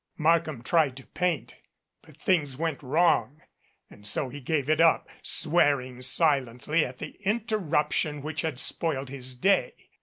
Markham tried to paint but things went wrong and so he gave it up, swearing silently at the interruption which had spoiled his day.